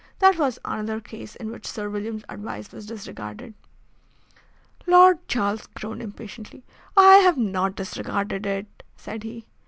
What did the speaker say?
That was another case in which Sir William's advice was disregarded." Lord Charles groaned impatiently. "I have not disregarded it," said he.